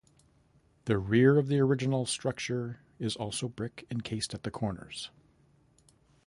The rear of the original structure is also brick encased at the corners.